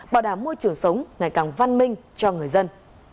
bảo đảm môi trường sống ngày càng văn minh cho người dân